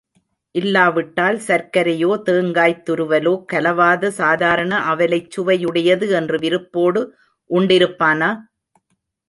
இல்லாவிட்டால் சர்க்கரையோ தேங்காய்த் துருவலோ கலவாத சாதாரண அவலைச் சுவையுடையது என்று விருப்போடு உண்டிருப்பானா?